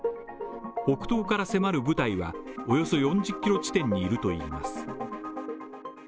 北東から迫る部隊はおよそ４０ｋｍ地点にいるといいます。